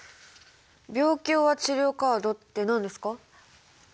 「病気ｏｒ治療カード」って何ですか？